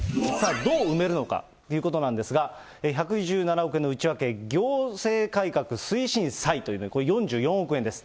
どう埋めるのかということなんですが、１１７億円の内訳、行政改革推進債という、これ、４４億円です。